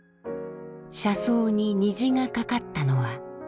車窓に虹が架かったのは。